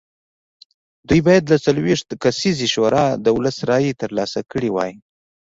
دوی باید له څلوېښت کسیزې شورا دولس رایې ترلاسه کړې وای